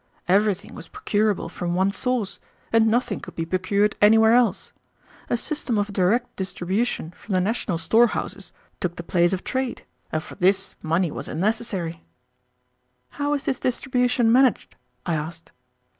Everything was procurable from one source, and nothing could be procured anywhere else. A system of direct distribution from the national storehouses took the place of trade, and for this money was unnecessary." "How is this distribution managed?" I asked.